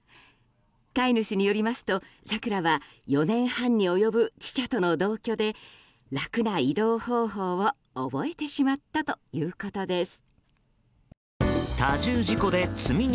飼い主によりますとサクラは４年半に及ぶチチャとの同居で楽な移動方法を覚えてしまったということです。